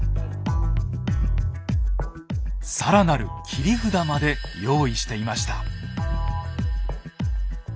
更なる切り札まで用意していました。